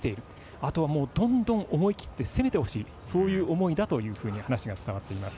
あとはどんどん思い切って攻めてほしい、そういう思いだというふうに話が伝わっています。